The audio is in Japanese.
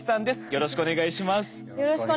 よろしくお願いします。